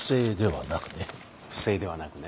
不正ではなくね。